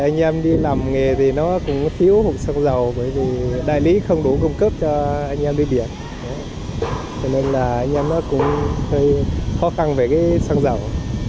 nên là anh em nó cũng hơi khó khăn về cái xăng dầu